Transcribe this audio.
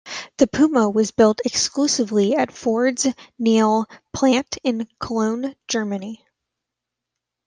The Puma was built exclusively at Ford's Niehl plant in Cologne, Germany.